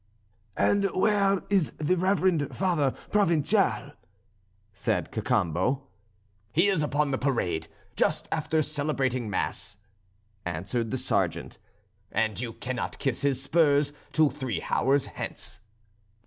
"And where is the reverend Father Provincial?" said Cacambo. "He is upon the parade just after celebrating mass," answered the sergeant, "and you cannot kiss his spurs till three hours hence."